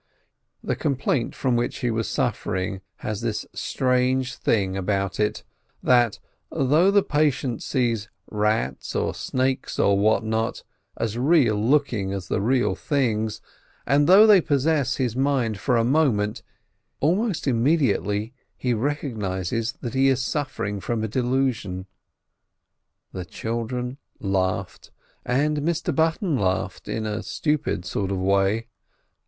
The complaint from which he was suffering has this strange thing about it, that, though the patient sees rats, or snakes, or what not, as real looking as the real things, and though they possess his mind for a moment, almost immediately he recognises that he is suffering from a delusion. The children laughed, and Mr Button laughed in a stupid sort of way.